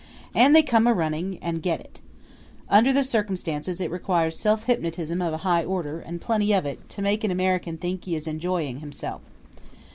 And they come a running and get it. Under the circumstances it requires self hypnotism of a high order, and plenty of it, to make an American think he is enjoying himself.